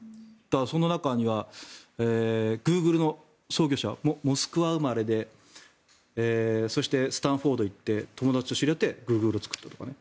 その中にはグーグルの創業者モスクワ生まれでそしてスタンフォードに行って友達と知り合ってグーグルを作ったと。